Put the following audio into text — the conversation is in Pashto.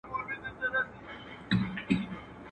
زه به څنگه ستا ښکارونو ته زړه ښه کړم.